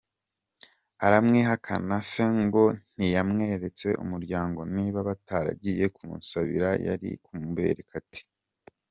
Aramwihakana se ngo ntiyamweretse umuryango, niba bataragiye kumusabira yari kumubereka ate.